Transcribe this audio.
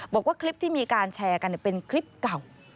บอกว่าคลิปที่มีการแชร์กันเป็นคลิปเก่า